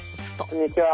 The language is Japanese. こんにちは。